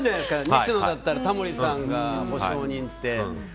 西野だったらタモリさんが保証人って。